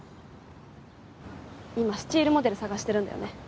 今スチールモデル探してるんだよね